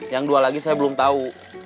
yang dua lagi saya belum tahu